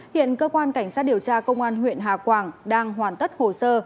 hiện cơ quan cảnh sát điều tra công an huyện hà quảng đang hoàn tất hồ sơ